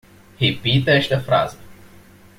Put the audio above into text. Repita esta frase